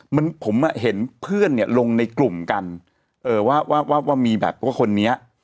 มันผมเห็นเพื่อนลงในกลุ่มกันว่ามีแบบว่าคนนี้